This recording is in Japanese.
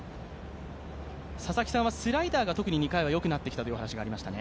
佐々木さんはスライダーが２回、特によくなってきたと話していましたね。